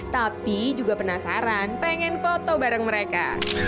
tapi juga penasaran pengen foto bareng mereka